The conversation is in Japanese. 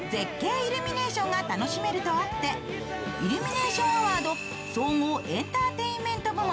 イルミネーションが楽しめるとあってイルミネーションアワード総合エンターテインメント部門